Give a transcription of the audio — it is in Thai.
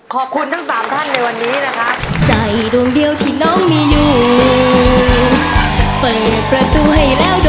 ขอบคุณทั้ง๓ท่านในวันนี้นะค่ะ